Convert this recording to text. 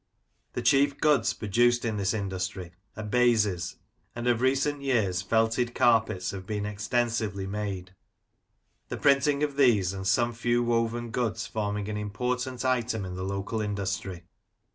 The chief goods produced in this industry are baizes, and of recent years felted carpets have been extensively made ; the printing of these and some few woven goods forming an important item in the local industry.